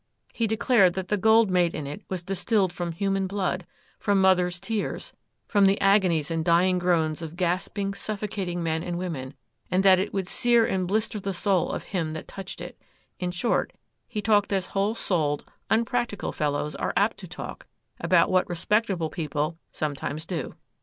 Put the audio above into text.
He declared that the gold made in it was distilled from human blood, from mothers' tears, from the agonies and dying groans of gasping, suffocating men and women, and that it would sear and blister the soul of him that touched it: in short, he talked as whole souled, unpractical fellows are apt to talk about what respectable people sometimes do.